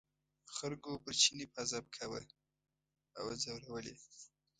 خلکو به پر چیني پازاب کاوه او ځورول یې.